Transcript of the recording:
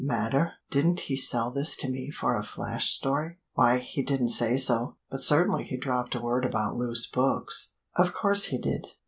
"Matter! Didn't he sell this to me for a flash story?" "Why he didn't say so. But certainly he dropped a word about loose books." "Of course he did."